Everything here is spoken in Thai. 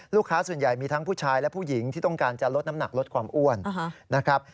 ลูกค้าส่วนใหญ่มีทั้งผู้ชายและผู้หญิงที่ต้องการจะลดน้ำหนักลดความอ้วนนะครับ